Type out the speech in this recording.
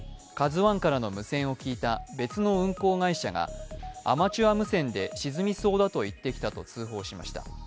「ＫＡＺＵⅠ」からの無線を聞いた別の運航会社がアマチュア無線で沈みそうだと言ってきたと通報しました。